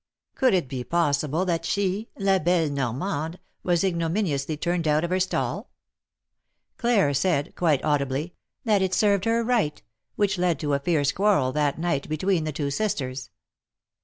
Could it be possible that she. La belle Normande, was ignominously turned out of her stall ! Claire said, quite audibly, " that it served her right," which led to a fierce quarrel that night between the two sisters.